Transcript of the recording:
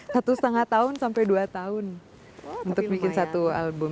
satu setengah tahun sampai dua tahun untuk bikin satu album